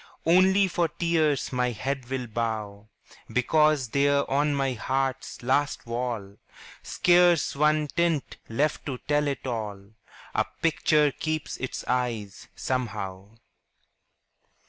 Only, for tears my head will bow, Because there on my heart's last wall, Scarce one tint left to tell it all, A picture keeps its eyes, somehow.